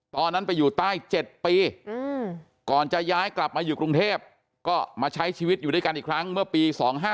ตอนนั้นไปอยู่ใต้๗ปีก่อนจะย้ายกลับมาอยู่กรุงเทพก็มาใช้ชีวิตอยู่ด้วยกันอีกครั้งเมื่อปี๒๕๖